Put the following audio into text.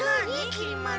きり丸。